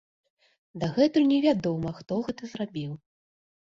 Дагэтуль невядома, хто гэта зрабіў.